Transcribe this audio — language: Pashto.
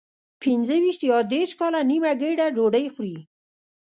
پنځه ویشت یا دېرش کاله نیمه ګېډه ډوډۍ خوري.